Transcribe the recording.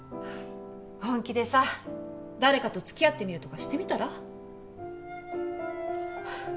本気でさ誰かとつきあってみるとかしてみたら？